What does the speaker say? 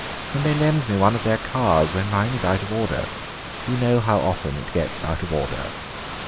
And they lend me one of their cars when mine is out of order; you know how often it gets out of order."